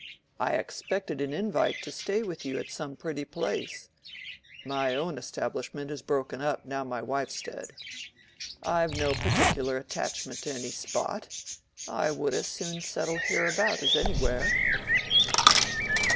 I expected an invite to stay with you at some pretty place. My own establishment is broken up now my wife's dead. I've no particular attachment to any spot; I would as soon settle hereabout as anywhere."